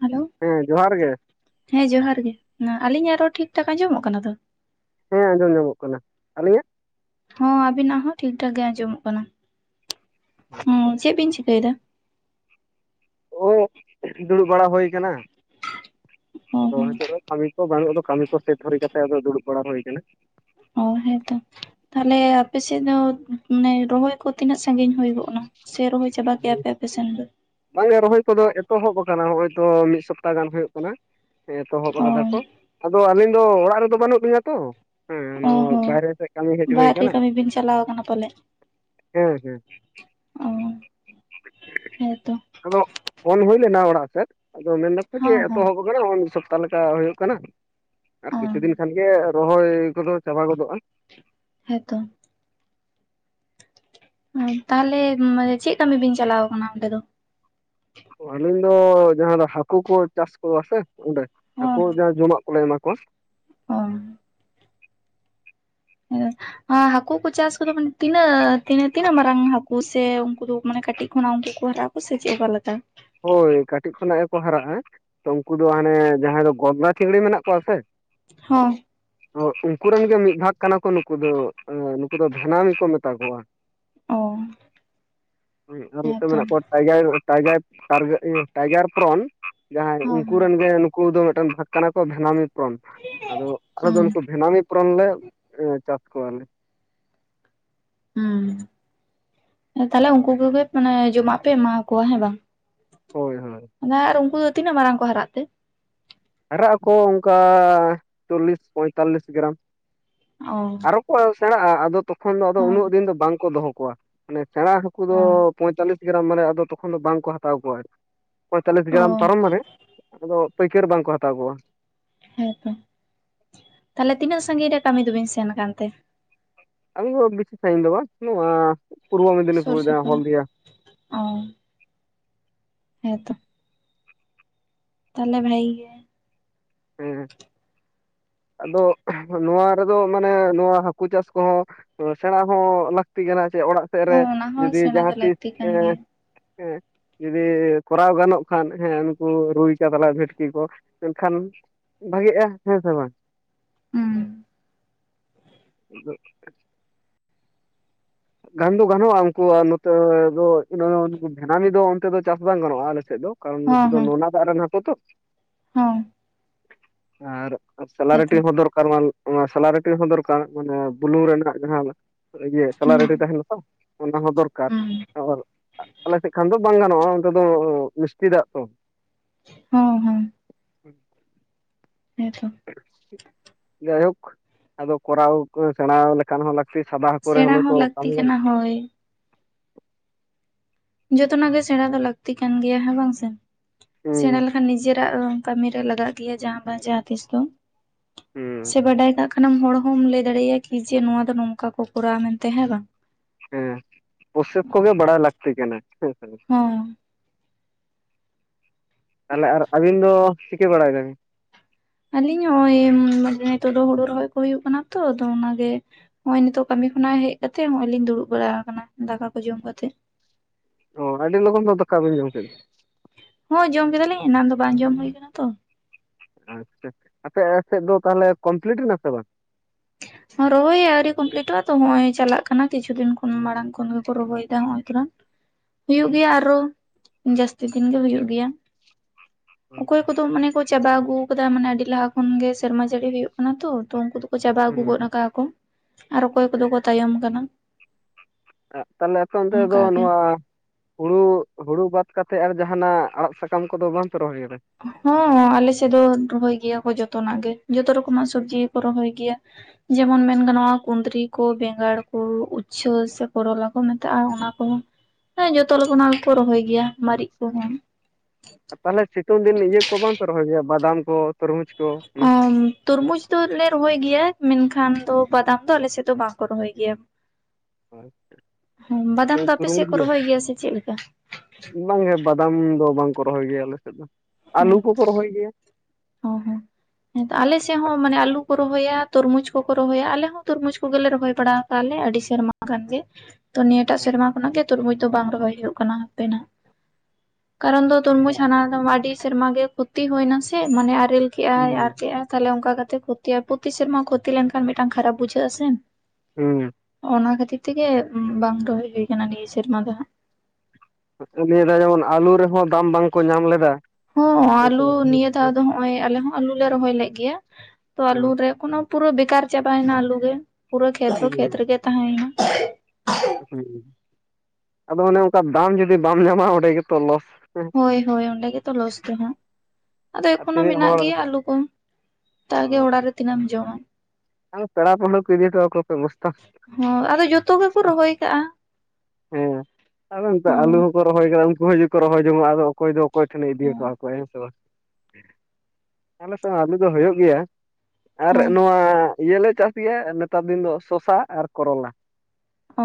Hello ᱦᱩᱸ ᱡᱚᱸᱦᱟᱨ ᱜᱮ ᱦᱮᱸ ᱡᱚᱸᱦᱟᱨ ᱜᱮ, ᱟᱞᱤᱧᱟᱜ ᱨᱚᱲ ᱴᱷᱤᱠ ᱴᱷᱟᱠ ᱟᱸᱡᱚᱢᱚᱜ ᱠᱟᱱᱟ ᱛᱚ? ᱦᱮᱸ ᱟᱸᱡᱚᱢ ᱧᱟᱢᱚᱜ ᱠᱟᱱᱟ, ᱟᱹᱞᱤᱧᱟᱜ? ᱦᱚᱸ ᱟᱹᱵᱤᱱᱟᱜ ᱦᱚᱸ ᱴᱷᱤᱠ ᱴᱷᱟᱠ ᱜᱮ ᱟᱸᱡᱚᱢᱚᱜ ᱠᱟᱱᱟ᱾ ᱟᱪᱪᱷᱟ ᱦᱩᱸ ᱪᱮᱜ ᱵᱤᱱ ᱪᱤᱠᱟᱹᱭᱫᱟ? ᱚᱭ ᱫᱩᱲᱩᱵ ᱵᱟᱲᱟ ᱦᱳᱭ ᱠᱟᱱᱟ ᱚ ᱟᱫᱚ ᱦᱚᱸ ᱦᱤᱛᱳᱜ ᱠᱟᱹᱢᱤ ᱠᱚ ᱵᱟᱹᱱᱩᱜ ᱫᱚ ᱠᱟᱹᱢᱤ ᱠᱚ ᱥᱤᱛ ᱦᱚᱨᱤ ᱠᱟᱛᱮ ᱟᱫᱚ ᱫᱩᱲᱩᱵ ᱵᱟᱲᱟ ᱦᱩᱞᱳᱭ ᱠᱟᱱᱟ᱾ ᱚ ᱦᱮᱸᱛᱚ ᱛᱟᱦᱞᱮ ᱟᱯᱮᱥᱮᱫ ᱫᱚ ᱢᱟᱱᱮ ᱨᱚᱦᱚᱭ ᱠᱚ ᱛᱤᱱᱟᱹᱜ ᱥᱟᱺᱜᱤᱧ ᱦᱳᱭ ᱜᱚᱜ ᱱᱟ? ᱥᱮ ᱨᱚᱦᱚᱭ ᱪᱟᱵᱟ ᱠᱮᱜ-ᱟ ᱯᱮ ᱟᱯᱮ ᱥᱮᱱ ᱫᱚ? ᱵᱟᱝ ᱜᱮ ᱨᱚᱦᱚᱭ ᱠᱚᱫᱚ ᱮᱛᱚᱦᱚᱵ ᱠᱟᱱᱟ ᱦᱚᱜ ᱚᱭ ᱛᱚ ᱢᱤᱫ ᱥᱚᱯᱛᱟᱦ ᱜᱟᱱ ᱦᱳᱭᱳᱜ ᱠᱟᱱᱟ, ᱦᱮᱸ ᱮᱛᱚᱦᱚᱵ ᱚ ᱠᱟᱫᱟ ᱠᱚ ᱟᱫᱚ ᱟᱹᱞᱤᱧ ᱫᱚ ᱚᱲᱟᱜ ᱨᱮᱫᱚ ᱵᱟᱹᱱᱩᱜ ᱞᱤᱧᱟ ᱛᱚ, ᱦᱮᱸ ᱚ ᱱᱚᱣᱟ ᱦᱚᱸ ᱵᱟᱭᱨᱮ ᱥᱮᱫ ᱠᱟᱹᱢᱤ ᱦᱮᱡ ᱦᱳᱭ ᱵᱟᱦᱨᱮ ᱠᱟᱱᱟ ᱠᱟᱹᱢᱤ ᱵᱤᱱ ᱪᱟᱞᱟᱣ ᱠᱟᱱᱟ ᱯᱟᱞᱮᱫ ᱦᱮᱸ ᱦᱮᱸ ᱚ ᱦᱮᱸᱛᱚ ᱟᱫᱚ ᱯᱷᱳᱱ ᱦᱩᱭ ᱞᱮᱱᱟ ᱚᱲᱟᱜ ᱥᱮᱫ ᱟᱫᱚ ᱢᱮᱱᱫᱟᱠᱚ ᱡᱮ ᱦᱚᱸ ᱦᱚᱸ ᱮᱛᱚᱦᱚᱵ ᱢᱟᱱᱟ ᱚᱭ ᱢᱤᱫ ᱥᱚᱯᱛᱟᱦ ᱞᱮᱠᱟ ᱦᱳᱭᱳᱜ ᱠᱟᱱᱟ᱾ ᱟᱨ ᱚ ᱠᱤᱪᱷᱩ ᱫᱤᱱ ᱠᱷᱟᱱ ᱜᱮ ᱨᱚᱦᱚᱭ ᱠᱚᱫᱚ ᱪᱟᱵᱟ ᱜᱚᱫᱚᱜ-ᱟ᱾ ᱦᱮᱸᱛᱚ ᱩᱸ ᱛᱟᱦᱞᱮ ᱢᱟᱱᱮ ᱪᱮᱜ ᱠᱟᱹᱢᱤ ᱵᱤᱱ ᱪᱟᱞᱟᱣ ᱠᱟᱱᱟ ᱚᱸᱰᱮ ᱫᱚ? ᱟᱹᱞᱤᱧ ᱫᱚ ᱡᱟᱦᱟᱸ ᱫᱚ ᱦᱟᱹᱠᱳ ᱠᱚ ᱪᱟᱥ ᱠᱚᱣᱟ ᱥᱮ ᱚᱸᱰᱮ ᱦᱟᱹᱠᱳ ᱦᱚᱸ ᱦᱚᱸ ᱡᱟᱦᱟᱸ ᱡᱚᱢᱟᱜ ᱠᱚᱞᱮ ᱮᱢᱟ ᱠᱚᱣᱟ᱾ ᱚ ᱮ ᱦᱟᱸ ᱦᱟᱹᱠᱩ ᱠᱚ ᱪᱟᱥ ᱠᱚᱫᱚ ᱢᱟᱱᱮ ᱛᱤᱱᱟᱹᱜ ᱛᱤᱱᱟᱹᱜ ᱢᱟᱨᱟᱝ ᱦᱟᱠᱩ ᱥᱮ ᱩᱝᱠᱩ ᱫᱚ ᱢᱟᱱᱮ ᱠᱟᱹᱴᱤᱡ ᱠᱷᱚᱱᱟᱜ ᱩᱱᱠᱩ ᱠᱚ ᱦᱟᱨᱟ ᱠᱚ ᱥᱮ ᱪᱮᱜ ᱚᱠᱟᱞᱮᱠᱟ? ᱦᱳᱭ ᱠᱟᱹᱴᱤᱜ ᱠᱷᱚᱱᱟᱜ ᱜᱮᱠᱚ ᱦᱟᱨᱟᱜ-ᱟ, ᱛᱚ ᱩᱝᱠᱩ ᱫᱚ ᱦᱟᱸᱱᱮ ᱡᱟᱦᱟᱸᱭ ᱫᱚ ᱜᱚᱞᱫᱟ ᱪᱤᱝᱲᱤ ᱢᱮᱱᱟᱜ ᱠᱚᱣᱟ ᱥᱮ, ᱦᱚᱸ ᱦᱚᱸ ᱩᱱᱠᱩ ᱨᱮᱱ ᱜᱮ ᱢᱤᱫ ᱵᱷᱟᱜᱽ ᱠᱟᱱᱟ ᱠᱚ ᱱᱩᱠᱩ ᱫᱚ ᱱᱩᱠᱩ ᱫᱚ ᱵᱷᱮᱱᱟᱢ ᱠᱚ ᱢᱮᱛᱟ ᱠᱚᱣᱟ᱾ [unintelligible] ᱟᱨ ᱢᱤᱫᱴᱟᱜ ᱦᱮᱸᱛᱚ ᱢᱤᱱᱟᱜ ᱠᱚᱣᱟ ᱴᱟᱭᱜᱟᱭ ᱴᱟᱭᱜᱟᱭᱮᱯ᱾ ᱴᱟᱨ ᱴᱟᱭᱜᱟᱨ ᱯᱨᱚᱱ ᱡᱟᱦᱟᱸᱭ ᱦᱚᱸ ᱩᱱᱠᱩ ᱨᱮᱱ ᱜᱮ ᱱᱩᱠᱩ ᱫᱚ ᱢᱤᱫᱴᱮᱱ ᱵᱷᱟᱜ ᱠᱟᱱᱟ ᱠᱚ ᱵᱷᱮᱱᱟᱢ᱾ ᱯᱷᱨᱚᱱ ᱟᱫᱚ ᱟᱞᱮ ᱫᱚ ᱦᱩᱸ ᱩᱱᱠᱩ ᱵᱷᱮᱱᱟᱢᱤ ᱯᱷᱨᱚᱱ ᱞᱮ ᱪᱟᱥ ᱠᱚᱣᱟᱞᱮ᱾ ᱦᱩᱸ ᱛᱟᱦᱞᱮ ᱩᱱᱠᱩ ᱠᱚᱜᱮ ᱢᱟᱱᱮ ᱡᱚᱢᱟᱜ ᱯᱮ ᱮᱢᱟ ᱠᱚᱣᱟ ᱦᱮᱸ ᱵᱟᱝ᱾ ᱦᱳᱭ ᱦᱳᱭ [inaudible] ᱟᱨ ᱩᱱᱠᱩ ᱫᱚ ᱛᱤᱱᱟᱹᱜ ᱢᱟᱨᱟᱝ ᱠᱚ ᱦᱟᱨᱟᱜ ᱛᱮ? ᱦᱟᱨᱟᱜ ᱟᱠᱚ ᱚᱱᱠᱟ ᱪᱚᱞᱞᱤᱥ ᱯᱚᱸᱭᱛᱟᱞᱞᱤᱥ ᱜᱨᱟᱢ᱾ ᱚ ᱥᱮᱸᱬᱟᱜᱼᱟ ᱟᱫᱚ ᱛᱚᱠᱷᱚᱱ ᱫᱚ ᱟᱫᱚ ᱚ ᱩᱱᱟᱹᱜ ᱫᱤᱱ ᱫᱚ ᱵᱟᱝᱠᱚ ᱫᱚᱦᱚ ᱠᱚᱣᱟ ᱢᱟᱱᱮ ᱥᱮᱬᱟ ᱦᱟᱹᱠᱩ ᱫᱚ ᱯᱚᱸᱭᱛᱟᱞᱞᱤᱥ᱾ ᱜᱨᱟᱢ ᱢᱟᱱᱮ ᱟᱫᱚ ᱛᱚᱠᱷᱚᱱ ᱫᱚ ᱵᱟᱝᱠᱚ ᱦᱟᱛᱟᱣ ᱠᱚᱣᱟ ᱟᱨᱠᱤ ᱯᱚᱸᱭᱛᱟᱞᱤᱥ ᱚ ᱜᱨᱟᱢ ᱯᱟᱨᱚᱢ ᱢᱟᱱᱮ ᱟᱫᱚ᱾ ᱯᱟᱹᱭᱠᱟᱹᱨ ᱵᱟᱝ ᱠᱚ ᱦᱟᱛᱟᱣ ᱠᱚᱣᱟ᱾ ᱦᱮᱸ ᱛᱚ ᱛᱟᱦᱞᱮ ᱛᱤᱱᱟᱹᱜ ᱥᱟᱺᱜᱤᱧ ᱨᱮ ᱠᱟᱹᱢᱤ ᱫᱚᱵᱤᱱ ᱥᱮᱱ ᱠᱟᱱ ᱛᱮ? ᱟᱢ ᱫᱚ ᱵᱤᱥᱤ ᱥᱟᱺᱜᱤᱧ ᱫᱚ ᱵᱟᱝ ᱱᱚᱣᱟ᱾ ᱯᱩᱨᱵᱚ ᱥᱳᱨ ᱢᱮᱫᱽᱱᱤᱯᱩᱨ ᱡᱟᱦᱟᱸ ᱥᱳᱯᱳᱨ ᱦᱚᱞᱫᱤᱭᱟ ᱚᱸ ᱦᱮᱸᱛᱚ ᱛᱟᱦᱞᱮ ᱵᱷᱟᱜᱤ ᱜᱮ᱾ ᱦᱮᱸ ᱟᱫᱚ ᱱᱚᱣᱟ ᱨᱮᱫᱚ ᱢᱟᱱᱮ ᱱᱚᱣᱟ ᱦᱟᱹᱠᱩ ᱪᱟᱥ ᱠᱚ᱾ ᱥᱮᱸᱬᱟ ᱦᱚᱸ ᱞᱟᱹᱠᱛᱤ ᱠᱟᱱᱟ ᱪᱮ ᱚᱲᱟᱜ ᱥᱮᱜ ᱨᱮ ᱦᱚᱸ ᱚᱱᱟ ᱦᱚᱸ ᱡᱩᱫᱤ ᱥᱮᱬᱟ ᱫᱚ ᱡᱟᱦᱟᱸ ᱛᱤᱥ ᱞᱟᱹᱠᱛᱤ ᱮ᱾ ᱠᱟᱱ ᱜᱮᱭᱟ ᱦᱮᱸ ᱡᱩᱫᱤ ᱠᱚᱨᱟᱣ ᱜᱟᱱᱚᱜ ᱠᱷᱟᱱ ᱦᱮᱸ ᱱᱩᱠᱩ ᱨᱩᱭ, ᱠᱟᱛᱞᱟ, ᱵᱷᱮᱴᱠᱤ ᱠᱚ᱾ ᱢᱮᱱᱠᱷᱟᱱ ᱵᱷᱟᱜᱤᱜᱼᱟ ᱦᱮᱸ ᱥᱮ ᱵᱟᱝ᱾ ᱦᱩᱸ [unintelligible] ᱜᱟᱱ ᱫᱚ ᱜᱟᱱᱚᱜᱼᱟ ᱩᱱᱠᱩᱣᱟᱜ ᱱᱚᱛᱮ ᱫᱚ ᱵᱷᱮᱱᱟᱢᱤ ᱫᱚ ᱚᱱᱛᱮ ᱫᱚ ᱪᱟᱥ ᱵᱟᱝ ᱜᱟᱱᱚᱜᱼᱟ ᱟᱞᱮᱥᱮᱫ ᱫᱚ᱾ ᱠᱟᱨᱚᱱ ᱦᱚᱸ ᱱᱩᱠᱩ ᱫᱚ ᱦᱚᱸ ᱱᱚᱱᱟ ᱫᱟᱜ ᱨᱮᱱ ᱦᱟᱠᱩ ᱛᱚ᱾ ᱦᱚᱸ ᱟᱨ ᱦᱮᱸᱛᱚ ᱥᱮᱞᱟᱨᱤᱴᱤ ᱦᱚᱸ ᱫᱚᱨ ᱾ ᱟᱨ ᱥᱮᱞᱟᱨᱤᱴᱤ ᱦᱚᱸ ᱫᱚᱨᱠᱟᱨ ᱢᱟᱱᱮ ᱵᱩᱞᱩᱝ ᱨᱮᱱᱟᱜ ᱡᱟᱦᱟᱸ ᱤᱭᱟᱹ᱾ ᱦᱩᱸ ᱥᱮᱞᱟᱨᱤᱴᱤ ᱛᱟᱦᱮᱸᱱᱟ ᱛᱚ ᱚᱱᱟ ᱦᱚᱸ ᱫᱚᱨᱠᱟᱨ ᱦᱩᱸ ᱟᱨ᱾ ᱟᱞᱮ ᱥᱮᱫ ᱠᱷᱟᱱ ᱫᱚ ᱵᱟᱝ ᱜᱟᱱᱚᱜᱼᱟ ᱚᱱᱛᱮ ᱫᱚ ᱢᱤᱥᱴᱤ ᱫᱟᱜ ᱛᱚ᱾ ᱦᱩᱸ ᱦᱚᱸ ᱦᱮᱸ ᱛᱚ ᱡᱟᱭ ᱦᱳᱠ ᱟᱫᱚ ᱠᱚᱨᱟᱣ ᱠᱚ ᱥᱮᱬᱟ ᱾ ᱠᱟᱱ ᱦᱚᱸ ᱞᱟᱹᱠᱛᱤ ᱥᱟᱫᱟ ᱠᱚᱨᱮ ᱥᱮᱬᱟ ᱦᱚᱞᱮ ᱦᱚᱸ ᱛᱚ ᱞᱟᱹᱠᱛᱤ ᱠᱟᱹᱢᱤ ᱠᱟᱱᱟ ᱜᱟᱱᱚᱜ᱾ ᱦᱳᱭ ᱡᱚᱛᱚᱱᱟᱜ ᱜᱮ ᱥᱮᱬᱟ ᱫᱚ ᱞᱟᱹᱠᱛᱤ ᱠᱟᱱ ᱜᱮᱭᱟ ᱦᱮᱸ ᱵᱟᱝ ᱥᱮ ᱥᱮᱬᱟ ᱦᱩᱸ ᱞᱮᱠᱷᱟᱱ ᱱᱤᱡᱮᱨ᱾ ᱮᱴᱟᱜ ᱠᱟᱹᱢᱤ ᱨᱮ ᱞᱟᱜᱟᱜ ᱜᱮᱭᱟ ᱡᱟᱦᱟᱸ ᱵᱟᱝ ᱡᱟᱦᱟᱸ ᱛᱤᱥ ᱫᱚ ᱦᱩᱸ ᱥᱮ ᱵᱟᱰᱟᱭ ᱠᱟᱜ᱾ ᱠᱷᱟᱱᱮᱢ ᱦᱚᱲ ᱦᱚᱸᱢ ᱞᱟᱹᱭ ᱫᱟᱲᱮᱭᱟᱭᱟ ᱠᱤ ᱡᱮ ᱱᱚᱣᱟ ᱫᱚ ᱱᱚᱝᱠᱟ ᱠᱚ ᱠᱚᱨᱟᱣᱟ ᱢᱮᱱᱛᱮ ᱦᱮᱸ ᱵᱟᱝ᱾ ᱦᱮᱸ ᱯᱨᱚᱥᱮᱥ ᱠᱚ ᱜᱮ ᱵᱟᱰᱟᱭ ᱞᱟᱹᱠᱛᱤ ᱠᱟᱱᱟ ᱦᱮᱸ ᱥᱮ᱾ ᱦᱚᱸ ᱛᱟᱦᱞᱮ ᱟᱨ ᱟᱵᱤᱱ ᱫᱚ ᱪᱤᱠᱟᱹ ᱵᱟᱰᱟᱭ ᱫᱟᱵᱤᱱ᱾ ᱟᱹᱞᱤᱧ ᱱᱚᱜᱼᱚᱭ ᱱᱤᱛᱚᱜ ᱫᱚ ᱦᱩᱲᱩ ᱨᱚᱦᱚᱭ ᱠᱚ ᱦᱩᱭᱩᱜ ᱠᱟᱱᱟ ᱛᱚ ᱟᱫᱚ ᱚᱱᱟ ᱜᱮ᱾ ᱱᱚᱜᱼᱚᱭ ᱱᱤᱛᱚᱜ ᱠᱟᱹᱢᱤ ᱠᱷᱚᱱᱟᱜ ᱦᱮᱡ ᱠᱟᱛᱮ ᱱᱚᱜᱚᱭ ᱞᱤᱧ ᱫᱩᱲᱩᱵ ᱵᱟᱲᱟ ᱟᱠᱟᱱᱟ ᱫᱟᱠᱟ ᱠᱚ ᱡᱚᱢ ᱠᱟᱛᱮ᱾ ᱚ ᱟᱹᱰᱤ ᱞᱚᱜᱚᱱ ᱫᱚ ᱫᱟᱠᱟ ᱵᱤᱱ ᱡᱚᱢ ᱠᱮ᱾ ᱦᱚᱸ ᱡᱚᱢ ᱠᱮᱫᱟᱞᱤᱧ᱾ ᱮᱱᱟᱝ ᱫᱚ ᱵᱟᱝ ᱡᱚᱢ ᱦᱩᱭ ᱠᱟᱱᱟ ᱛᱚ᱾ ᱟᱪᱪᱷᱟ᱾ ᱟᱯᱮ ᱥᱮᱫ ᱫᱚ ᱛᱟᱦᱚᱞᱮ ᱠᱚᱢᱯᱞᱤᱴ ᱮᱱᱟ ᱥᱮ ᱵᱟᱝ? ᱦᱚᱸ ᱨᱚᱦᱚᱭ ᱟᱹᱣᱨᱤ ᱠᱚᱢᱯᱞᱤᱴᱚᱜᱼᱟ ᱛᱚ ᱦᱚᱸᱜᱼᱚᱭ ᱪᱟᱞᱟᱜ ᱠᱟᱱᱟ ᱠᱤᱪᱷᱩ ᱫᱤᱱ ᱠᱷᱚᱱ ᱢᱟᱲᱟᱝ ᱠᱷᱚᱱ ᱜᱮ ᱠᱚ ᱨᱚᱦᱚᱭ ᱮᱫᱟ ᱦᱚᱸᱜᱼᱚᱭ ᱛᱚᱨᱟ᱾ [inaudible] ᱦᱩᱭᱩᱜ ᱜᱮᱭᱟ ᱟᱨᱚ ᱡᱟᱹᱥᱛᱤ ᱫᱤᱱ ᱜᱮ ᱦᱩᱭᱩᱜ ᱜᱮᱭᱟ᱾ ᱚᱠᱚᱭ ᱠᱚᱫᱚ ᱢᱟᱱᱮ ᱠᱚ ᱪᱟᱵᱟ ᱟᱹᱜᱩᱣ ᱠᱟᱫᱟ ᱢᱟᱱᱮ ᱟᱹᱰᱤ ᱞᱟᱦᱟ ᱠᱷᱚᱱ ᱜᱮ ᱥᱮᱨᱢᱟ ᱡᱟᱹᱲᱤ ᱦᱩᱭᱩᱜ ᱠᱟᱱᱟ ᱛᱚ᱾ ᱛᱚ ᱩᱱᱠᱩ ᱫᱚ ᱠᱚ ᱪᱟᱵᱟ ᱟᱹᱜᱩ ᱦᱩᱸ ᱜᱚᱫ ᱟᱠᱟᱜ ᱟᱠᱚ᱾ ᱟᱨ ᱚᱠᱚᱭ ᱠᱚᱫᱚ ᱦᱩᱸ ᱠᱚ ᱛᱟᱭᱚᱢ ᱠᱟᱱᱟ᱾ ᱛᱟᱞᱮ ᱟᱯᱮ ᱚᱱᱛᱮ ᱫᱚ ᱚᱱᱠᱟ ᱜᱮ ᱱᱚᱣᱟ ᱦᱩᱲᱩ ᱦᱩᱲᱩ ᱵᱟᱫ ᱠᱟᱛᱮ ᱟᱨ ᱡᱟᱦᱟᱸᱱᱟᱜ ᱟᱲᱟᱜ ᱥᱟᱠᱟᱢ ᱠᱚ ᱫᱚ ᱵᱟᱝ ᱯᱮ ᱨᱚᱦᱚᱭ ᱠᱟᱫᱟ? ᱦᱚᱸ ᱟᱞᱮ ᱥᱮᱫ ᱫᱚ ᱨᱚᱦᱚᱭ ᱜᱮᱭᱟ ᱠᱚ ᱡᱚᱛᱚᱱᱟᱜ ᱜᱮ᱾ ᱡᱚᱛᱚ ᱨᱚᱠᱚᱢᱟᱜ ᱥᱚᱵᱡᱤ ᱜᱮᱠᱚ ᱨᱚᱦᱚᱭ ᱜᱮᱭᱟ᱾ ᱡᱮᱢᱚᱱ ᱢᱮᱱ ᱜᱟᱱᱚᱜᱼᱟ ᱠᱩᱸᱫᱽᱨᱤ ᱠᱚ, ᱵᱮᱸᱜᱟᱲ ᱠᱚ, ᱩᱪᱷᱟᱹ ᱥᱮ ᱠᱚᱨᱚᱞᱟ ᱠᱚ ᱢᱮᱛᱟᱜᱼᱟ ᱚᱱᱟ ᱠᱚ ᱦᱚᱸ ᱦᱮᱸ ᱡᱚᱛᱚ ᱞᱮᱠᱟᱱᱟᱜ ᱜᱮᱠᱚ ᱨᱚᱦᱚᱭ ᱜᱮᱭᱟ ᱢᱟᱨᱤᱡ ᱠᱚ ᱦᱚᱸ᱾ ᱛᱟᱦᱞᱮ ᱥᱤᱛᱩᱝ ᱫᱤᱱ ᱤᱭᱟᱹ ᱠᱚ ᱵᱟᱝ ᱯᱮ ᱨᱚᱦᱚᱭ ᱜᱮᱭᱟ ᱵᱟᱫᱟᱢ ᱠᱚ ᱛᱩᱨᱢᱩᱡᱽ ᱠᱚ᱾ ᱚᱱᱟ ᱚᱢ᱾ ᱛᱚᱨᱢᱩᱡᱽ ᱫᱚ ᱞᱮ ᱨᱚᱦᱚᱭ ᱜᱮᱭᱟ ᱢᱮᱱᱠᱷᱟᱱ ᱫᱚ ᱵᱟᱫᱟᱢ ᱫᱚ ᱟᱞᱮ ᱥᱮᱫ ᱫᱚ ᱵᱟᱝ ᱠᱚ ᱨᱚᱦᱚᱭ ᱜᱮᱭᱟ᱾ ᱵᱟᱫᱟᱢ ᱫᱚ ᱟᱯᱮ ᱥᱮᱫ ᱠᱚ ᱨᱚᱦᱚᱭ ᱜᱮᱭᱟ ᱥᱮ ᱪᱮᱫ ᱞᱮᱠᱟ? ᱵᱟᱝ ᱜᱮ ᱵᱟᱫᱟᱢ ᱫᱚ ᱵᱟᱝ ᱠᱚ ᱨᱚᱦᱚᱭ ᱜᱮᱭᱟ ᱟᱞᱮ ᱥᱮᱫ ᱫᱚ᱾ ᱟᱹᱞᱩ ᱠᱚ ᱠᱚ ᱨᱚᱦᱚᱭ ᱜᱮᱭᱟ᱾ ᱚ ᱦᱮᱸ᱾ ᱦᱮᱸ ᱛᱚ᱾ ᱟᱞᱮ ᱥᱮᱫ ᱦᱚᱸ ᱢᱟᱱᱮ ᱟᱞᱩ ᱠᱚ ᱨᱚᱦᱚᱭᱟ, ᱛᱚᱨᱢᱩᱡᱽ ᱠᱚ ᱠᱚ ᱨᱚᱦᱚᱭᱟ ᱟᱞᱮ ᱦᱚᱸ ᱛᱚᱨᱢᱩᱡᱽ ᱠᱚ ᱜᱮᱞᱮ ᱨᱚᱦᱚᱭ ᱵᱟᱲᱟ ᱛᱟᱞᱮ ᱟᱹᱰᱤ ᱥᱮᱨᱢᱟ ᱠᱷᱟᱱ ᱜᱮ᱾ ᱛᱚ ᱱᱤᱭᱟᱹ ᱴᱟᱜ ᱥᱮᱨᱢᱟ ᱠᱷᱚᱱᱟᱜ ᱜᱮ ᱛᱩᱨᱢᱩᱡᱽ ᱫᱚ ᱵᱟᱝ ᱨᱚᱦᱚᱭ ᱦᱩᱭᱩᱜ ᱠᱟᱱᱟ ᱦᱟᱯᱮ ᱱᱟᱦᱜ᱾ ᱠᱟᱨᱚᱱ ᱫᱚ ᱛᱩᱨᱢᱩᱡᱽ ᱦᱟᱱᱟ ᱫᱚᱢ ᱟᱹᱰᱤ ᱥᱮᱨᱢᱟ ᱜᱮ ᱠᱷᱚᱛᱤ ᱦᱩᱭᱱᱟ ᱥᱮ ᱢᱟᱱᱮ ᱟᱨᱮᱞ ᱠᱮᱜ ᱟᱭ ᱟᱨ ᱠᱮᱜ ᱟᱭ᱾ ᱛᱟᱦᱞᱮ ᱚᱱᱠᱟ ᱠᱟᱛᱮ ᱠᱷᱚᱛᱤᱜᱼᱟ᱾ ᱯᱨᱚᱛᱤ ᱥᱮᱨᱢᱟ ᱠᱷᱚᱛᱤ ᱞᱮᱱ ᱠᱷᱟᱱ ᱢᱤᱫ ᱴᱟᱝ ᱠᱷᱟᱨᱟᱯ ᱵᱩᱡᱷᱟᱹᱜᱼᱟ ᱥᱮ᱾ ᱦᱩᱸ᱾ ᱚᱱᱟ ᱠᱷᱟᱹᱛᱤᱨ ᱛᱮ ᱜᱮ ᱵᱟᱝ ᱨᱚᱦᱚᱭ ᱦᱩᱭ ᱠᱟᱱᱟ ᱱᱤᱭᱟᱹ ᱥᱮᱨᱢᱟ ᱫᱚ ᱦᱟᱸᱜ᱾ ᱱᱤᱭᱟᱹ ᱫᱷᱟᱣ ᱡᱮᱢᱚᱱ ᱟᱹᱞᱩ ᱨᱮᱦᱚᱸ ᱫᱟᱢ ᱵᱟᱝ ᱠᱚ ᱧᱟᱢ ᱞᱮᱫᱟ᱾ ᱦᱚᱸ ᱦᱮᱸ ᱥᱮ ᱟᱞᱩ ᱵᱟᱝ ᱱᱤᱭᱟᱹ ᱫᱷᱟᱣ ᱫᱚ ᱦᱚᱸᱜ ᱚᱭ ᱟᱞᱮ ᱦᱚᱸ ᱟᱞᱩ ᱞᱮ ᱨᱚᱦᱚᱭ ᱞᱮᱫ ᱜᱮᱭᱟ᱾ ᱛᱚ ᱟᱞᱩ ᱦᱩᱸ ᱨᱮ ᱠᱚᱱᱳ ᱯᱩᱨᱟᱹ ᱵᱮᱠᱟᱨ ᱪᱟᱵᱟᱭ ᱮᱱᱟ ᱟᱞᱩ ᱜᱮ, ᱯᱩᱨᱟᱹ ᱠᱷᱮᱛ ᱫᱚ ᱦᱩᱸ ᱠᱷᱮᱛ ᱨᱮ ᱜᱮ ᱛᱟᱦᱮᱸᱭᱮᱱᱟ᱾ ᱟᱫᱚ ᱚᱱᱮ ᱚᱱᱠᱟ ᱫᱟᱢ ᱡᱩᱫᱤ ᱵᱟᱢ ᱧᱟᱢᱟ ᱚᱸᱰᱮ ᱜᱮ ᱛᱚ ᱞᱚᱥ᱾ ᱦᱮᱸ ᱦᱳᱭ ᱦᱳᱭ ᱚᱸᱰᱮ ᱜᱮᱛᱚ ᱞᱚᱥ ᱫᱚ ᱦᱟᱸᱜ᱾ ᱟᱫᱚ ᱟᱨ ᱮᱠᱷᱚᱱᱳ ᱛᱤᱱᱟᱹᱜ ᱢᱮᱱᱟᱜ ᱦᱚᱲ ᱜᱮᱭᱟ ᱟᱹᱞᱩ ᱠᱚ᱾ ᱛᱟ ᱜᱮ ᱚᱲᱟᱜ ᱨᱮ ᱛᱤᱱᱟᱹᱜ ᱮᱢ ᱡᱚᱢᱟ᱾ ᱵᱟᱝ ᱯᱮᱲᱟ ᱯᱟᱦᱲᱟᱹ ᱠᱚ ᱤᱫᱤ ᱦᱚᱴᱚ ᱟᱠᱚ ᱯᱮ ᱵᱚᱥᱛᱟ ᱾ ᱦᱚᱸ ᱟᱫᱚ ᱡᱚᱛᱚ ᱜᱮᱠᱚ ᱨᱚᱦᱚᱭ ᱠᱟᱜᱼᱟ᱾ ᱦᱮᱸ ᱟᱫᱚ ᱱᱤᱛᱚ ᱟᱹᱞᱩ ᱦᱚᱸ ᱦᱚᱸᱠᱚ ᱨᱚᱦᱚᱭ ᱠᱟᱫᱟ ᱩᱱᱠᱩ ᱦᱚᱸᱤᱡᱩᱜ ᱠᱚ ᱨᱚᱦᱚᱭ ᱡᱚᱝᱟ ᱟᱫᱚ ᱚᱠᱚᱭ ᱫᱚ ᱚᱠᱚᱭ ᱴᱷᱮᱱ ᱤᱫᱤ ᱦᱚᱴᱚᱣᱟ ᱟᱠᱚᱣᱟ, ᱦᱮᱸᱫᱮ ᱵᱟᱝ᱾ ᱟᱞᱮ ᱥᱮᱫ ᱦᱚᱸ ᱟᱹᱞᱩ ᱫᱚ ᱦᱚᱭᱳᱜ ᱜᱮᱭᱟ ᱟᱨ ᱦᱚᱸ ᱱᱚᱣᱟ ᱤᱭᱟᱹᱞᱮ ᱪᱟᱥ ᱜᱮᱭᱟ ᱱᱮᱛᱟᱨ ᱫᱤᱱ ᱫᱚ ᱥᱚᱥᱟ ᱟᱨ ᱠᱚᱨᱚᱞᱟ᱾ ᱚ᱾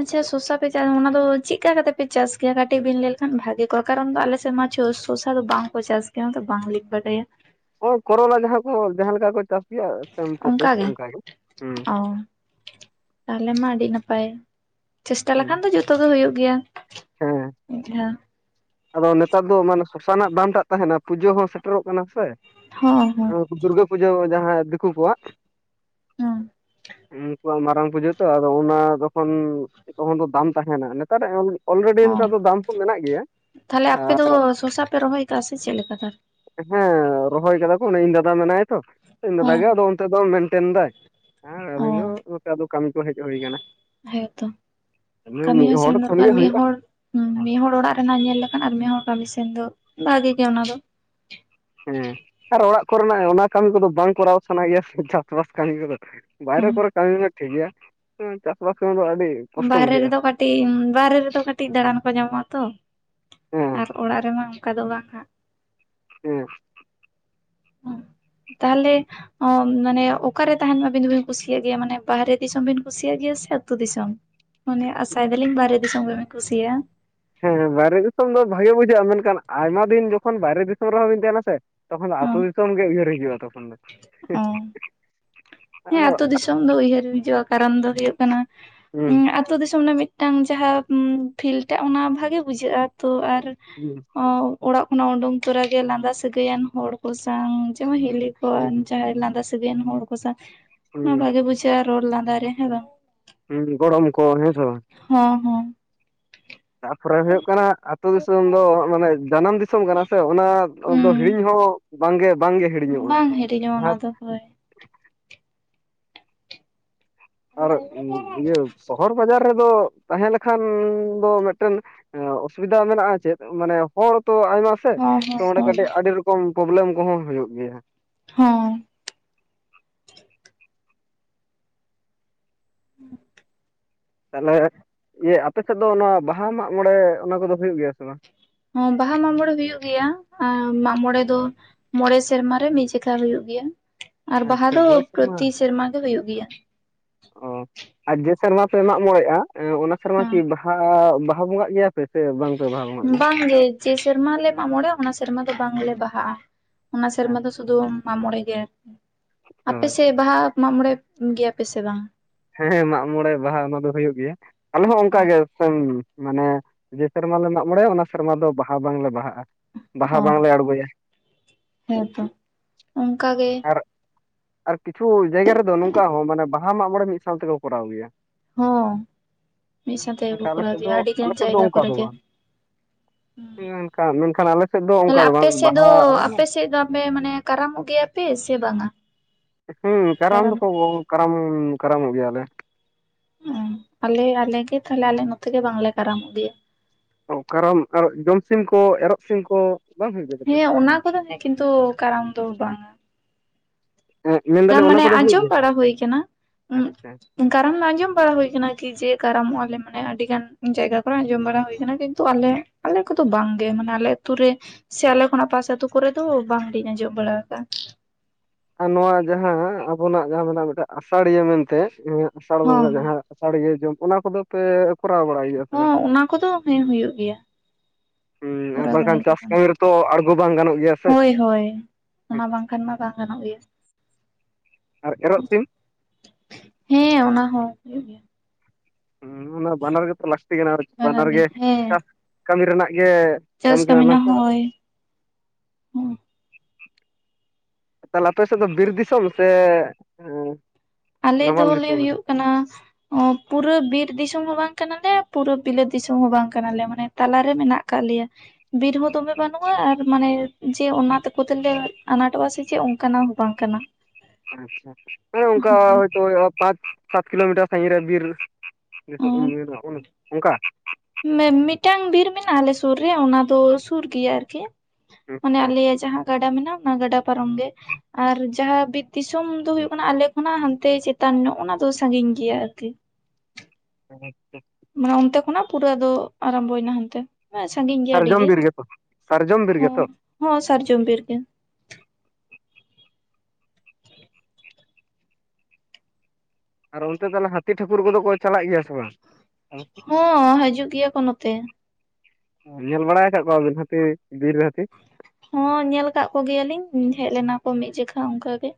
ᱟᱪᱪᱷᱟ ᱥᱚᱥᱟ ᱯᱮ ᱪᱟᱥ ᱚᱱᱟ ᱫᱚ ᱪᱮᱫ ᱠᱟ ᱠᱟᱛᱮ ᱯᱮ ᱪᱟᱥ ᱜᱮᱭᱟ ᱠᱟᱹᱴᱤᱡ ᱵᱤᱱ ᱞᱟᱹᱭ ᱞᱮᱠᱷᱟᱱ ᱵᱷᱟᱜᱤ ᱠᱚᱠ? ᱠᱟᱨᱚᱱ ᱫᱚ ᱟᱞᱮᱥᱮᱫ ᱢᱟ ᱪᱷᱚ ᱥᱚᱥᱟ ᱫᱚ ᱵᱟᱝ ᱠᱚ ᱪᱟᱥ ᱜᱮᱭᱟ, ᱚᱱᱟᱛᱮ ᱵᱟᱝᱞ ᱵᱟᱰᱟᱭᱟ᱾ ᱠᱚᱨᱚᱞᱟ ᱡᱟᱦᱟᱸ ᱠᱚ ᱡᱟᱦᱟᱸ ᱞᱮᱠᱟ ᱠᱚ ᱪᱟᱥ ᱜᱮᱭᱟ ᱥᱮᱢ ᱯᱨᱚᱥᱮᱥ ᱚᱱᱠᱟᱜ ᱜᱮ ᱦᱮᱸ᱾ ᱛᱟᱞᱦᱮ ᱢᱟ ᱟᱹᱰᱤ ᱱᱟᱯᱟᱭ᱾ ᱪᱮᱥᱴᱟ ᱞᱮᱠᱷᱟᱱ ᱦᱩᱸ ᱫᱚ ᱡᱷᱚᱛᱚ ᱜᱮ ᱦᱚᱭᱩᱜ ᱜᱮᱭᱟ᱾ ᱦᱮᱸ ᱟᱪᱷᱟ᱾ ᱟᱫᱚ ᱱᱮᱛᱟᱨ ᱫᱚ ᱢᱟᱱᱮ ᱥᱚᱥᱟᱱᱟᱜ ᱫᱟᱢ ᱴᱟᱜ ᱛᱟᱦᱮᱱᱟ, ᱯᱩᱡᱟᱹ ᱦᱚᱸ ᱥᱮᱴᱮᱨᱚᱜ ᱠᱟᱱᱟ ᱥᱮ᱾ ᱦᱚᱸ ᱦᱳᱭ᱾ ᱫᱩᱨᱜᱟᱹ ᱯᱩᱡᱟᱹ ᱡᱟᱦᱟᱸ ᱫᱤᱠᱩ ᱠᱚᱣᱟᱜ᱾ [unintelligible] ᱩᱱᱠᱩᱣᱟᱜ ᱢᱟᱨᱟᱝ ᱯᱩᱡᱟᱹ ᱛᱚ ᱟᱫᱚ ᱚᱱᱟ ᱡᱚᱠᱷᱚᱱ ᱛᱚᱠᱷᱚᱱ ᱫᱚ ᱫᱟᱢ ᱛᱟᱦᱮᱱᱟ ᱱᱮᱛᱟᱨᱟᱜ ᱮᱢ ᱚᱞᱨᱮᱰᱤ ᱚ [unintelligible] ᱫᱚ ᱫᱟᱢ ᱠᱚ ᱢᱮᱱᱟᱜ ᱜᱮᱭᱟ ᱾ ᱛᱟᱦᱚᱞᱮ ᱟᱯᱮ ᱫᱚ ᱥᱚᱥᱟ ᱯᱮ ᱨᱚᱦᱚᱭ ᱠᱟᱜ-ᱟ ᱥᱮ ᱪᱮᱫᱞᱠᱟ ᱛᱟᱞᱦᱮ? ᱦᱮᱸ ᱨᱚᱦᱚᱭ ᱠᱟᱫᱟ ᱠᱚ ᱤᱧ ᱫᱟᱫᱟ ᱢᱮᱱᱟᱭᱟ ᱛᱚ ᱤᱧ ᱫᱟᱫᱟ ᱦᱚᱸ ᱜᱮ ᱟᱫᱚ ᱚᱱᱛᱮ ᱫᱚ ᱢᱮᱱᱴᱮᱱ ᱫᱟᱭ ᱾ ᱚ ᱦᱮ [inaudible] ᱠᱟᱹᱢᱤ ᱠᱚ ᱦᱮᱡ ᱦᱩᱭ ᱠᱟᱱᱟ ᱾ ᱦᱮᱸᱛᱚ ᱠᱟᱹᱢᱤ ᱢᱤᱫ ᱦᱚᱸ ᱦᱚᱲ ᱥᱮᱱ ᱠᱷᱟᱱ ᱜᱮ ᱫᱚᱨᱠᱟᱨ ᱢᱤᱫ ᱦᱩᱭᱩᱜ-ᱟ ᱾ ᱦᱚᱲ ᱦᱩᱸ ᱢᱤᱫ ᱦᱚᱲ ᱚᱲᱟᱜ ᱨᱮᱱᱟᱜ ᱧᱮᱞ ᱞᱮᱠᱷᱟᱱ ᱟᱨ ᱢᱤᱫ ᱦᱚᱲ ᱠᱟᱹᱢᱤ ᱥᱮᱱ ᱫᱚ ᱵᱷᱟᱜᱤ ᱜᱮ ᱚᱱᱟ ᱫᱚ ᱾ ᱦᱮᱸ ᱟᱨ ᱚᱲᱟᱜ ᱠᱚᱨᱮᱱᱟᱜ ᱚᱱᱟ ᱠᱟᱹᱢᱤ ᱠᱚᱫᱚ ᱵᱟᱝ ᱠᱚᱨᱟᱣ ᱥᱟᱱᱟᱭ ᱜᱮᱭᱟ ᱥᱮ ᱪᱟᱥᱵᱟᱥ ᱠᱟᱹᱢᱤ ᱠᱚᱫᱚ, ᱵᱟᱭᱨᱮ ᱦᱩᱸ᱾ ᱠᱚᱨᱮ ᱠᱟᱹᱢᱤ ᱢᱮ ᱴᱷᱤᱠ ᱜᱮᱭᱟ ᱪᱟᱥ ᱵᱟᱟᱥ ᱠᱟᱹᱢᱤ ᱫᱚ ᱟᱹᱰᱤ, ᱠᱚᱥᱴᱚ ᱵᱟᱨᱦᱨᱮ ᱵᱩᱡᱷᱟᱹᱜᱼᱟ ᱨᱮᱫᱚ ᱠᱟᱹᱴᱤᱡ ᱵᱟᱨᱦᱨᱮ ᱨᱮᱫᱚ ᱠᱟᱹᱴᱤᱡ ᱫᱟᱬᱟᱱ ᱠᱚ ᱧᱟᱢᱚᱜ-ᱟ ᱛᱚ ᱾ ᱦᱮᱸ ᱟᱨ ᱚᱲᱟᱜ ᱨᱮᱢᱟ ᱚᱱᱠᱟ ᱫᱚ ᱵᱟᱝ ᱦᱟᱸᱜ ᱾ ᱦᱮᱸ ᱾ ᱛᱟᱦᱞᱮ, ᱚ ᱢᱟᱱᱮ ᱚᱠᱟᱨᱮ ᱛᱟᱦᱮᱱ ᱟᱹᱵᱤᱱ ᱫᱚᱵᱤᱱ ᱠᱩᱥᱤᱭᱟᱜ ᱜᱮᱭᱟ ᱢᱟᱱᱮ ᱵᱟᱦᱨᱮ ᱫᱤᱥᱚᱢ ᱵᱤᱱ ᱠᱩᱥᱤᱭᱟᱜ ᱜᱮᱭᱟ ᱥᱮ ᱟᱛᱳ ᱫᱤᱥᱚᱢ? ᱢᱟᱱᱮ ᱟᱥᱟᱭ ᱫᱟᱞᱤᱧ ᱵᱟᱦᱨᱮ ᱫᱤᱥᱚᱢ ᱜᱮᱵᱤᱱ ᱠᱩᱥᱤᱭᱟᱜ-ᱟ ᱾ ᱦᱮᱸ ᱵᱟᱦᱨᱮ ᱫᱤᱥᱚᱢ ᱫᱚ ᱵᱷᱟᱜᱮ ᱵᱩᱡᱷᱟᱹᱜ-ᱟ ᱢᱮᱱᱠᱷᱟᱱ ᱟᱭᱢᱟ ᱫᱤᱱ ᱡᱚᱠᱷᱚᱱ ᱵᱟᱭᱨᱮ ᱫᱤᱥᱚᱢ ᱨᱮᱦᱚᱸ ᱵᱤᱱ ᱛᱟᱦᱮᱱᱟ ᱥᱮ, ᱛᱠᱷᱚᱱ ᱟᱹᱛᱩ ᱦᱚᱸ᱾ ᱫᱤᱥᱚᱢ ᱜᱮ ᱩᱭᱦᱟᱹᱨ ᱦᱤᱡᱩᱜ ᱛᱚᱠᱷᱚᱱ ᱫᱚ ᱾ ᱚ᱾ ᱦᱮᱸ ᱟᱛᱩ ᱫᱤᱥᱚᱢ ᱫᱚ ᱩᱭᱦᱟᱹᱨ ᱦᱤᱡᱩᱜ-ᱟ ᱠᱟᱨᱚᱱ ᱫᱚ ᱦᱩᱭᱩᱜ ᱠᱟᱱᱟ ᱦᱩᱸ ᱟᱛᱳ ᱫᱤᱥᱚᱢ ᱨᱮᱱᱟᱜ ᱢᱤᱫᱴᱟᱝ ᱡᱟᱦᱟᱸ ᱯᱷᱤᱞᱴᱟᱜ ᱚᱱᱟ ᱵᱷᱟᱜᱮ ᱵᱩᱡᱷᱟᱹᱜ-ᱟ ᱛᱚ ᱟᱨ [unintelligible] ᱚᱲᱟᱜ ᱠᱷᱚᱱᱟᱜ ᱩᱰᱩᱝ ᱛᱚᱨᱟᱜᱮ ᱞᱟᱸᱫᱟ ᱥᱟᱹᱜᱟᱹᱭᱟᱱ ᱦᱚᱲ ᱠᱚ ᱥᱟᱝ ᱡᱮᱢᱚᱱ ᱦᱤᱞᱤ, ᱦᱩᱸ ᱡᱟᱦᱟᱸᱭ ᱞᱟᱸᱫᱟ ᱥᱟᱹᱜᱟᱭᱟᱱ ᱦᱚᱲ ᱠᱚ ᱥᱟᱶ ᱦᱩᱸ ᱵᱷᱟᱜᱮ ᱵᱩᱡᱷᱟᱹᱜ-ᱟ ᱨᱚᱲ ᱞᱟᱸᱫᱟ ᱨᱮ ᱦᱮᱸ ᱵᱟᱝ? ᱦᱩᱸ ᱜᱚᱲᱚᱢ ᱠᱚ ᱦᱮᱸ ᱥᱮ ᱵᱟᱝ᱾ ᱦᱩᱸ ᱦᱩᱸ ᱾ ᱛᱟᱯᱚᱨᱮ ᱦᱩᱭᱩᱜ ᱠᱟᱱᱟ ᱟᱹᱛᱩ ᱫᱤᱥᱚᱢ ᱫᱚ ᱢᱟᱱᱮ ᱡᱟᱱᱟᱢ ᱫᱤᱥᱚᱢ ᱠᱟᱱᱟ ᱥᱮ ᱚᱱᱟ ᱫᱚ ᱦᱩᱸ᱾ ᱦᱤᱲᱤᱧ ᱦᱚᱸ ᱵᱟᱝᱜᱮ ᱵᱟᱝᱜᱮ ᱦᱤᱲᱤᱧᱚᱜ-ᱟ ᱵᱟᱝ ᱾ ᱦᱤᱲᱤᱧᱚᱜᱼᱟ ᱚᱱᱟ ᱡᱟᱦᱟᱸ ᱫᱚ ᱦᱳᱭ ᱾ ᱟᱨ ᱤᱭᱟᱹ ᱥᱚᱦᱚᱨ ᱵᱟᱡᱟᱨ ᱨᱮᱫᱚ ᱛᱟᱦᱮᱸ ᱞᱮᱠᱷᱟᱱ ᱫᱚ ᱢᱤᱫᱴᱮᱱ ᱚᱥᱩᱵᱤᱫᱷᱟ ᱢᱮᱱᱟᱜ-ᱟ ᱪᱮᱫ ᱢᱟᱱᱮ ᱦᱚᱲ ᱛᱚ ᱟᱭᱢᱟ ᱥᱮ ᱦᱚᱸ ᱛᱚ ᱦᱚᱸ ᱚᱸᱰᱮ ᱦᱳᱭ ᱠᱟᱹᱴᱤᱡ ᱟᱹᱰᱤ ᱨᱚᱠᱚᱢ ᱯᱨᱚᱵᱽᱞᱮᱢ ᱠᱚᱦᱚᱸ ᱦᱩᱭᱩᱜ ᱜᱮᱭᱟ ᱾ ᱦᱚᱸ ᱾ [unintelligible] ᱛᱟᱦᱚᱞᱮ ᱤᱭᱟᱹ ᱟᱯᱮ ᱥᱮᱫ ᱫᱚ ᱱᱚᱣᱟ ᱵᱟᱦᱟ ᱢᱟᱜ ᱢᱚᱬᱮ ᱚᱱᱟ ᱠᱚᱫᱚ ᱦᱩᱭᱩᱜ ᱜᱮᱭᱟ ᱥᱮ ᱵᱟᱝ? ᱵᱟᱦᱟ ᱢᱟᱜ ᱢᱚᱬᱮ ᱦᱩᱭᱩᱜ ᱜᱮᱭᱟ ᱢᱟᱜ ᱢᱚᱬᱮ ᱫᱚ ᱢᱚᱬᱮ ᱥᱮᱨᱢᱟ ᱨᱮ ᱢᱤᱫ ᱡᱮᱠᱷᱟ ᱦᱩᱭᱩᱜ ᱜᱮᱭᱟ, ᱟᱨ ᱵᱟᱦᱟ ᱟᱪᱪᱷᱟ ᱫᱚ ᱢᱚᱬᱮ ᱯᱨᱚᱛᱤ ᱥᱮᱨᱢᱟ ᱜᱮ ᱦᱩᱭᱩᱜ ᱜᱮᱭᱟ᱾ ᱚ ᱟᱨ ᱡᱮ ᱥᱮᱨᱢᱟ ᱯᱮ ᱢᱟᱜ ᱢᱚᱬᱮᱜ-ᱟ ᱚᱱᱟ ᱥᱮᱨᱢᱟ ᱦᱮᱸ ᱠᱤ ᱵᱟᱦᱟ ᱵᱟᱦᱟ ᱵᱚᱸᱜᱟᱜ ᱜᱮᱭᱟ᱾ ᱯᱮ ᱥᱮ ᱵᱟᱝᱯᱮ ᱵᱟᱦᱟ ᱵᱚᱸᱜᱟᱜ ᱜᱮᱭᱟ? ᱵᱟᱝᱜᱮ ᱡᱮ ᱥᱮᱨᱢᱟ ᱞᱮ ᱢᱟᱜ ᱢᱚᱬᱮᱜ-ᱟ ᱚᱱᱟ ᱥᱮᱨᱢᱟ ᱫᱚ ᱵᱟᱝᱞᱮ ᱵᱟᱦᱟᱜ-ᱟ᱾ ᱚᱱᱟ ᱥᱮᱨᱢᱟ ᱫᱚ ᱟᱪᱪᱷᱟ ᱥᱩᱫᱷᱩ ᱢᱟᱜ ᱢᱚᱬᱮ ᱜᱮ ᱟᱨᱠᱤ, ᱟᱯᱮ ᱦᱳᱭ ᱥᱮᱫ ᱵᱟᱦᱟ ᱢᱟᱜ ᱢᱚᱬᱮᱜ ᱜᱮᱭᱟ ᱯᱮ ᱥᱮ ᱵᱟᱝ? ᱦᱮᱸ ᱢᱟᱜ ᱢᱚᱬᱮ ᱵᱟᱦᱟ ᱫᱚ ᱦᱩᱭᱩᱜ ᱜᱮᱭᱟ ᱟᱞᱮ ᱦᱚᱸ ᱚᱱᱠᱟ ᱜᱮ ᱥᱮ ᱢᱟᱱᱮ ᱡᱮ ᱥᱮᱨᱢᱟ ᱞᱮ ᱢᱟᱜ ᱢᱚᱬᱮᱜ-ᱟ ᱚᱱᱟ ᱥᱮᱨᱢᱟ ᱫᱚ ᱵᱟᱦᱟ ᱵᱟᱝᱞᱮ ᱵᱟᱦᱟᱜ-ᱟ᱾ ᱵᱟᱦᱟ ᱚ ᱵᱟᱝᱞᱮ ᱟᱬᱜᱚᱭᱟ, ᱦᱮᱸ ᱛᱚ ᱚᱱᱠᱟ ᱜᱮ ᱟᱨ ᱟᱨ ᱠᱤᱪᱷᱩ ᱡᱟᱭᱜᱟ ᱨᱮᱫᱚ ᱱᱩᱝᱠᱟ ᱦᱚᱸ ᱢᱟᱱᱮ ᱵᱟᱦᱟ ᱢᱟᱜ ᱢᱚᱬᱮ ᱢᱤᱫ ᱥᱟᱶ ᱛᱮᱠᱚ ᱠᱚᱨᱟᱣ ᱜᱮᱭᱟ᱾ ᱦᱚᱸ ᱢᱤᱫ ᱥᱟᱶᱛᱮ ᱜᱮ ᱠᱚ ᱢᱮᱱᱠᱷᱟᱱ ᱟᱞᱮ ᱠᱚᱨᱟᱣ ᱥᱮᱫ ᱫᱚ ᱜᱮᱭᱟ ᱟᱞᱮ ᱟᱹᱰᱤᱜᱟᱱ ᱥᱮᱫ ᱫᱚ ᱡᱟᱭᱜᱟ ᱚᱱᱠᱟ ᱠᱚᱨᱮ ᱫᱚ ᱜᱮ᱾ ᱵᱟᱝ ᱦᱩᱸ ᱢᱮᱱᱠᱷᱟᱱ ᱢᱮᱱᱠᱷᱟᱱ ᱟᱞᱮ ᱥᱮᱫ ᱫᱚ ᱚᱱᱠᱟ ᱛᱟᱦᱞᱮ ᱫᱚ ᱟᱯᱮ ᱵᱟᱝ ᱥᱮᱫ ᱫᱚ ᱵᱟᱦᱟ ᱟᱞᱮ ᱟᱯᱮ ᱥᱮᱫ ᱫᱚ ᱟᱯᱮ ᱢᱟᱱᱮ ᱠᱟᱨᱟᱢᱚᱜ ᱜᱮᱭᱟ ᱯᱮ ᱥᱮ ᱵᱟᱝᱟ? ᱦᱩᱸ ᱠᱟᱨᱟᱢ ᱫᱚ ᱠᱚ ᱠᱟᱨᱟᱢ ᱠᱟᱨᱟᱢᱚᱜ ᱜᱮᱭᱟᱞᱮ᱾ ᱚᱸ ᱟᱞᱮ ᱟᱞᱮ ᱜᱮ ᱛᱟᱦᱞᱮ ᱟᱞᱮ ᱱᱚᱛᱮ ᱜᱮ ᱵᱟᱝ ᱞᱮ ᱠᱟᱨᱟᱢᱚᱜ ᱜᱮᱭᱟ᱾ ᱚ ᱠᱟᱨᱟᱢ ᱟᱨ ᱡᱚᱢᱥᱤᱢ ᱠᱚ ᱮᱨᱚᱜ ᱥᱤᱢ ᱠᱚ ᱵᱟᱝ ᱦᱩᱭᱩᱜ ᱜᱮᱭᱟ ᱛᱟᱯᱮ ᱦᱮᱸ ᱚᱱᱟ ᱠᱚᱫᱚ ᱦᱮᱸ ᱠᱤᱱᱛᱩ ᱠᱟᱨᱟᱢ ᱫᱚ ᱵᱟᱝᱟ᱾ ᱢᱮᱱᱫᱟᱞᱤᱧ ᱠᱟᱨᱟᱢ ᱚᱱᱟ ᱢᱟᱱᱮ ᱠᱚᱫᱚ ᱦᱩᱭᱩᱜ ᱟᱸᱡᱚᱢ ᱜᱮᱭᱟ ᱥᱮ ᱵᱟᱲᱟ ᱦᱳᱭ ᱠᱟᱱᱟ ᱟᱪᱪᱷᱟ ᱩᱸᱜ᱾ ᱠᱟᱨᱟᱢ ᱟᱸᱡᱚᱢ ᱵᱟᱲᱟ ᱦᱳᱭ ᱟᱠᱟᱱᱟ ᱠᱤ ᱡᱮ ᱠᱟᱨᱟᱢᱚᱜ-ᱟ ᱞᱮ ᱢᱟᱱᱮ ᱟᱹᱰᱤ ᱜᱟᱱ ᱡᱟᱭᱜᱟ ᱠᱚᱨᱮ ᱟᱸᱡᱚᱢ ᱵᱟᱲᱟ ᱦᱳᱭ ᱟᱠᱟᱱᱟ, ᱠᱤᱱᱛᱩ ᱟᱞᱮ ᱟᱞᱮ ᱠᱚᱫᱚ ᱵᱟᱝ ᱜᱮ ᱢᱟᱱᱮ ᱟᱞᱮ ᱟᱛᱩ ᱨᱮ ᱥᱮ ᱟᱞᱮ ᱠᱷᱚᱱᱟᱜ ᱯᱟᱥᱮ ᱟᱹᱛᱩ ᱠᱚᱨᱮ ᱫᱚ ᱵᱟᱝ ᱞᱤᱧ ᱟᱸᱡᱚᱢ ᱵᱟᱲᱟᱣ ᱠᱟᱜ-ᱟ᱾ ᱟᱨ ᱱᱚᱣᱟ ᱡᱟᱦᱟᱸ ᱟᱵᱚᱱᱟᱜ ᱡᱟᱦᱟᱸ ᱢᱮᱱᱟᱜ ᱢᱤᱫᱴᱮᱡ ᱟᱥᱟᱲᱤᱭᱟᱹ ᱢᱮᱱᱛᱮ ᱱᱤᱭᱟᱹ ᱟᱥᱟᱲ ᱵᱚᱸᱜᱟ ᱦᱚᱸ ᱡᱟᱦᱟᱸ ᱟᱥᱟᱲᱤᱭᱟᱹ ᱡᱚᱢ ᱚᱱᱟ ᱠᱚᱫᱚ ᱯᱮ ᱠᱚᱨᱟᱣ ᱵᱟᱲᱟᱭ ᱜᱮᱭᱟ? ᱥᱮ ᱵᱟᱝ ᱦᱚᱸ ᱩᱱᱟ ᱠᱚᱫᱚ ᱦᱮᱸ ᱦᱳᱭᱳᱜ ᱜᱮᱭᱟ᱾ ᱦᱩᱸ ᱠᱚᱨᱟᱣ ᱵᱟᱝᱠᱷᱟᱱ ᱵᱟᱲᱟᱭ ᱜᱮᱭᱟ ᱪᱟᱥ ᱞᱮ ᱚᱱᱟ ᱠᱟᱹᱢᱤ ᱫᱚ ᱨᱮᱛᱚ ᱟᱬᱜᱚ ᱵᱟᱝ ᱜᱟᱱᱚᱜ ᱜᱮᱭᱟ ᱥᱮ ᱦᱳᱭ ᱦᱳᱭ᱾ ᱚᱱᱟ ᱵᱟᱝᱠᱷᱟᱱ ᱢᱟ ᱵᱟᱝ ᱜᱟᱱᱚᱜ ᱜᱮᱭᱟ᱾ ᱟᱨ ᱮᱨᱚᱜ ᱥᱤᱢ? ᱦᱮᱸ ᱚᱱᱟ ᱦᱚᱸ ᱦᱩᱭᱩᱜ ᱜᱮᱭᱟ᱾ ᱦᱩᱸ ᱚᱱᱟ ᱵᱟᱱᱟᱨ ᱜᱮᱛᱚ ᱞᱟᱠᱛᱤ ᱠᱟᱱᱟ ᱟᱨ ᱵᱟᱱᱟᱨ ᱜᱮ ᱪᱟᱥ ᱠᱟᱹᱢᱤ ᱨᱮᱱᱟᱜ ᱜᱮ ᱪᱟᱥ ᱠᱟᱹᱢᱤ ᱠᱟᱱᱟ ᱨᱮᱱᱟᱜ ᱥᱮ ᱦᱳᱭ᱾ ᱦᱩᱸ ᱛᱟᱦᱚᱞᱮ ᱟᱯᱮ ᱥᱮᱫ ᱫᱚ ᱵᱤᱨ ᱫᱤᱥᱚᱢ ᱥᱮ ᱮᱸ ᱟᱞᱮ ᱫᱚᱞᱮ ᱦᱳᱭᱳᱜ ᱠᱟᱱᱟ ᱚ ᱯᱩᱨᱟᱹ ᱵᱤᱨ ᱫᱤᱥᱚᱢ ᱦᱚᱸ ᱵᱟᱝ ᱠᱟᱱᱟᱞᱮ, ᱯᱩᱨᱟᱹ ᱵᱤᱞᱟᱹᱛ ᱫᱤᱥᱚᱢ ᱦᱚᱸ ᱵᱟᱝ ᱠᱟᱱᱟᱞᱮ᱾ ᱢᱟᱱᱮ ᱛᱟᱞᱟᱨᱮ ᱢᱮᱱᱟᱜ ᱟᱠᱟᱜ ᱞᱮᱭᱟ᱾ ᱵᱤᱨ ᱦᱚᱸ ᱫᱚᱢᱮ ᱵᱟᱹᱱᱩᱜ-ᱟ ᱟᱨ ᱢᱟᱱᱮ ᱡᱮ ᱚᱱᱟ ᱛᱮᱠᱚ ᱛᱮᱞᱮ ᱟᱱᱟᱴᱚᱜ-ᱟ ᱥᱮ ᱪᱮᱫ ᱚᱝᱠᱟᱱᱟᱜ ᱦᱚᱸ ᱵᱟᱝ ᱠᱟᱱᱟ᱾ ᱟᱪᱪᱷᱟ ᱦᱮᱸ ᱚᱝᱠᱟ ᱦᱳᱭ ᱦᱚᱭᱛᱳ ᱦᱳᱭᱳᱜ-ᱟ ᱯᱟᱸᱪ ᱥᱟᱛ ᱠᱤᱞᱳᱢᱤᱴᱟᱨ ᱥᱟᱸᱜᱤᱧ ᱨᱮ ᱵᱤᱨ [unintelligible] ᱚᱝᱠᱟ? ᱢᱮᱼᱢᱤᱫᱴᱟᱝ ᱵᱤᱨ ᱢᱮᱱᱟᱜ-ᱟ ᱟᱞᱮ ᱥᱩᱨ ᱨᱮ, ᱚᱱᱟ ᱫᱚ ᱥᱩᱨ ᱜᱮᱭᱟ ᱟᱨᱠᱤ᱾ ᱢᱟᱱᱮ ᱟᱪᱪᱷᱟ ᱟᱞᱮᱭᱟᱜ ᱡᱟᱦᱟᱸ ᱜᱟᱰᱟ ᱢᱮᱱᱟᱜ, ᱚᱱᱟ ᱜᱟᱰᱟ ᱯᱟᱨᱚᱢ ᱜᱮ᱾ ᱟᱨ ᱡᱟᱦᱟᱸ ᱵᱤᱨ ᱫᱤᱥᱚᱢ ᱫᱚ ᱦᱩᱭᱩᱜ ᱠᱟᱱᱟ ᱟᱞᱮ ᱠᱷᱚᱱᱟᱜ ᱦᱟᱱᱛᱮ ᱪᱮᱛᱟᱱ ᱧᱚᱜ ᱚᱱᱟ ᱫᱚ ᱥᱟᱸᱜᱤᱧ ᱜᱮᱭᱟ ᱟᱨᱠᱤ᱾ ᱟᱪᱪᱷᱟ᱾ ᱢᱟᱱᱮ ᱚᱱᱛᱮ ᱠᱷᱚᱱᱟᱜ ᱯᱩᱨᱟᱹ ᱟᱫᱚ ᱟᱨᱟᱢᱵᱚᱭᱱᱟ ᱦᱟᱱᱛᱮ᱾ ᱦᱮᱸ ᱥᱟᱺᱜᱤᱧ ᱜᱮᱭᱟ ᱟᱹᱰᱤ ᱥᱟᱨᱡᱚᱢ ᱜᱮ ᱵᱤᱨ ᱜᱮᱛᱚ ᱥᱟᱨᱡᱚᱢ ᱵᱤᱨ ᱦᱚᱸ ᱜᱮᱛᱚ ᱦᱚᱸ ᱥᱟᱨᱡᱚᱢ ᱵᱤᱨ ᱜᱮ᱾ ᱟᱨ ᱚᱱᱛᱮ ᱛᱟᱦᱞᱮ ᱦᱟᱹᱛᱤ ᱴᱷᱟᱹᱠᱩᱨ ᱠᱚᱫᱚ ᱠᱚ ᱪᱟᱞᱟᱜ ᱜᱮᱭᱟ ᱥᱮ ᱵᱟᱝ ᱟᱯᱮ ᱥᱮᱫ? ᱦᱚᱸ ᱦᱟᱹᱡᱩᱜ ᱜᱮᱭᱟ ᱠᱚ ᱱᱚᱛᱮ᱾ ᱧᱮᱞ ᱵᱟᱲᱟᱣ ᱟᱠᱟᱫ ᱠᱚᱣᱟ ᱵᱤᱱ ᱦᱟᱹᱛᱤ ᱵᱤᱨ ᱨᱮ ᱦᱟᱹᱛᱤ? ᱦᱚᱸ ᱧᱮᱞ ᱠᱟᱜ ᱠᱚ ᱜᱮᱭᱟᱞᱤᱧ ᱦᱮᱡ ᱞᱮᱱᱟ ᱠᱚ ᱢᱤᱫ ᱡᱮᱠᱷᱟ ᱚᱝᱠᱟ ᱜᱮ᱾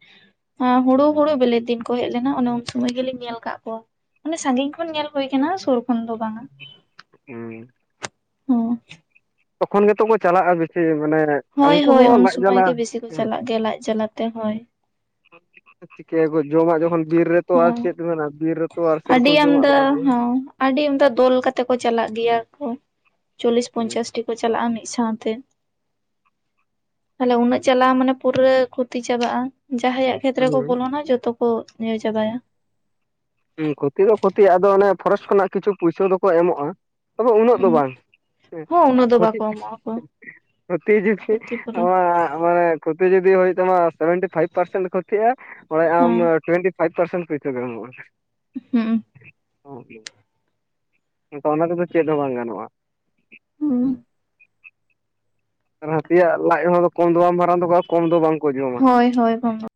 ᱟ ᱦᱳᱲᱳ ᱦᱳᱲᱳ ᱵᱮᱞᱮᱜ ᱫᱤᱱ ᱠᱚ ᱦᱮᱡ ᱞᱮᱱᱟ, ᱚᱱᱮ ᱩᱱ ᱥᱩᱢᱚᱭ ᱜᱮᱞᱤᱧ ᱧᱮᱞ ᱟᱠᱟᱫ ᱠᱚᱣᱟ᱾ ᱢᱟᱱᱮ ᱥᱟᱺᱜᱤᱧ ᱠᱷᱚᱱ ᱧᱮᱞ ᱦᱩᱭ ᱠᱟᱱᱟ ᱥᱩᱨ ᱠᱷᱚᱱ ᱫᱚ ᱵᱟᱝᱟ᱾ ᱩᱸᱻ᱾ ᱦᱚᱸ᱾ ᱛᱚᱠᱷᱚᱱ ᱜᱮᱛᱚ ᱠᱚ ᱪᱟᱞᱟᱜ-ᱟ ᱵᱤᱥᱤ ᱢᱟᱱᱮ ᱦᱳᱭ ᱩᱱᱠᱩ ᱦᱳᱭ ᱦᱚᱸ ᱩᱱ ᱞᱟᱡ ᱥᱩᱢᱳᱭ ᱡᱟᱞᱟ ᱜᱮ ᱵᱤᱥᱤ ᱠᱚ ᱦᱮᱸ ᱪᱟᱞᱟᱜ ᱜᱮᱭᱟ ᱞᱟᱡ ᱡᱟᱞᱟ ᱛᱮ ᱦᱳᱭ᱾ ᱪᱤᱠᱟᱹᱭ ᱟᱠᱚ ᱡᱚᱢᱟᱜ ᱡᱚᱠᱷᱚᱱ ᱵᱤᱨ ᱨᱮᱛᱚ ᱟᱨ ᱦᱚᱸ ᱪᱮᱫ ᱠᱚ ᱢᱮᱱᱟᱜᱼᱟ ᱵᱤᱨ ᱨᱮᱛᱚ ᱟᱨ ᱟᱹᱰᱤ ᱥᱮᱨᱚᱠᱚᱢ ᱡᱚᱢᱟᱜ ᱫᱚ ᱟᱢᱫᱟ ᱵᱟᱹᱱᱩᱜᱼᱟ ᱾ ᱦᱚᱸ ᱟᱹᱰᱤ ᱟᱢᱫᱟ ᱫᱚᱞ ᱠᱟᱛᱮ ᱠᱚ ᱪᱟᱞᱟᱜ ᱜᱮᱭᱟ ᱠᱚ, ᱪᱚᱞᱞᱤᱥ ᱦᱩᱸ ᱯᱚᱧᱪᱟᱥᱴᱤ ᱠᱚ ᱪᱟᱞᱟᱜ-ᱟ ᱢᱤᱫ ᱥᱟᱶᱛᱮ᱾ ᱛᱟᱦᱚᱞᱮ ᱩᱱᱟᱹᱜ ᱪᱟᱞᱟᱣ ᱢᱟᱱᱮ ᱯᱩᱨᱟᱹ ᱠᱷᱚᱛᱤ ᱪᱟᱵᱟᱜ-ᱟ ᱡᱟᱦᱟᱸᱭᱟᱜ ᱠᱷᱮᱛ ᱨᱮᱠᱚ ᱦᱩᱸ ᱵᱚᱞᱚᱱᱟ ᱡᱚᱛᱚ ᱠᱚ ᱤᱭᱟᱹ ᱪᱟᱵᱟᱭᱟ᱾ ᱦᱩᱸ ᱠᱷᱩᱛᱤ ᱫᱚ ᱠᱷᱩᱛᱤ ᱟᱫᱚ ᱚᱱᱮ ᱯᱷᱚᱨᱮᱥᱴ ᱠᱷᱚᱱᱟᱜ ᱠᱤᱪᱷᱩ ᱯᱩᱭᱥᱟᱹ ᱫᱚᱠᱚ ᱮᱢᱚᱜ-ᱟ, ᱛᱚᱵᱮ ᱩᱱᱟᱹᱜ ᱫᱚ ᱩᱸ ᱵᱟᱝ ᱦᱮᱸ ᱦᱚᱸ ᱩᱱᱟᱹᱜ ᱫᱚ ᱠᱷᱚᱛᱤ ᱵᱟᱠᱚ ᱮᱢᱚᱜᱼᱟ ᱠᱚ ᱯᱨᱚᱛᱡᱩᱠᱤ ᱟ ᱠᱷᱚᱛᱤᱯᱩᱨᱚᱱ ᱢᱟᱱᱮ ᱠᱷᱚᱛᱤ ᱡᱩᱫᱤ ᱦᱩᱭᱩᱜ ᱛᱟᱢᱟ ᱥᱮᱵᱷᱮᱱᱴᱤ ᱯᱷᱟᱭᱤᱵ ᱯᱟᱨᱥᱮᱱᱴ ᱠᱷᱚᱛᱤᱜ-ᱟ ᱚᱰᱮ ᱦᱮᱸ ᱟᱢᱫᱚ ᱴᱩᱮᱱᱴᱤ ᱯᱷᱟᱭᱤᱯ ᱯᱟᱨᱥᱮᱱ ᱯᱩᱭᱥᱟᱹ ᱠᱚ ᱮᱢᱚᱜ-ᱟ᱾ ᱦᱩᱸ ᱚᱦᱚᱜ ᱜᱮ ᱦᱮᱸᱛᱚ ᱚᱱᱟ ᱛᱮᱫᱚ ᱪᱮᱫ ᱦᱚᱸ ᱵᱟᱝ ᱜᱟᱱᱚᱜ-ᱟ᱾ ᱦᱩᱸ ᱟᱨ ᱦᱟᱹᱛᱤᱭᱟᱜ ᱞᱟᱡ ᱦᱚᱸ ᱠᱚᱢ ᱫᱚ ᱵᱟᱝ ᱢᱟᱨᱟᱝ ᱛᱟᱠᱚᱣᱟ ᱠᱚᱢ ᱫᱚ ᱵᱟᱝᱠᱚ ᱡᱚᱢᱟ, ᱦᱳᱭ ᱦᱳᱭ ᱵᱚᱱᱫᱚ